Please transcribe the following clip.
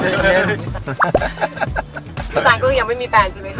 พี่สันก็ก็ยังไม่มีแฟนใช่มั้ยคะ